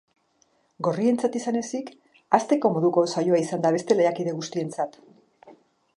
Gorrientzat izan ezik, ahazteko moduko saioa izan da beste lehiakide guztientzat.